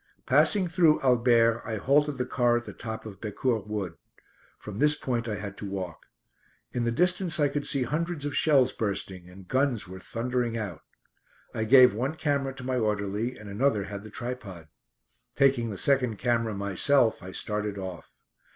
Passing through Albert, I halted the car at the top of Becourt Wood. From this point I had to walk. In the distance I could see hundreds of shells bursting, and guns were thundering out. I gave one camera to my orderly and another had the tripod. Taking the second camera myself, I started off.